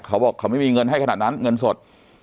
เขาบอกเขาไม่มีเงินให้ขนาดนั้นเงินสด